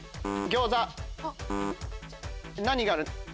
何がある？